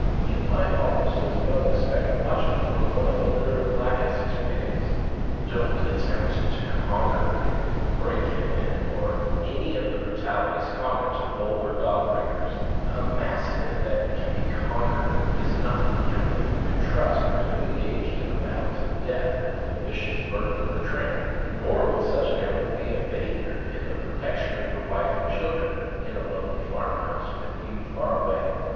You might almost as well expect watching from one of a litter of black Essex pigs. Don't attempt to " conquer" MASTIFF PUPPIES (five Edwy ex Wacoula Donna. Owned by C. veeks old). N. Powell, Omaha, Neb. him, " break him in," or any of the brutalities common to the vulgar dog breaker; a Mastiff that can be " conquered " is not the animal you could trust were you engaged in a battle to the death with a vicious burglar or tramp; nor would such an animal be a Bayard in the protection of your wife and children in a lonely farm house, with you far away.